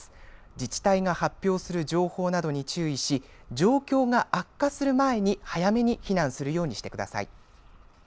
自治体が発表する情報などに注意し状況が悪化する前に早めに避難するようにしてください。